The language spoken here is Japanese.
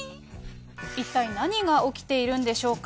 一体何が起きているんでしょうか。